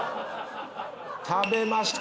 食べました。